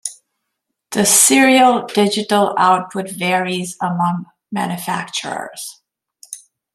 The serial digital output varies among manufacturers.